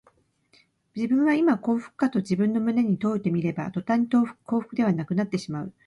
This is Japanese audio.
自分はいま幸福かと自分の胸に問うてみれば、とたんに幸福ではなくなってしまう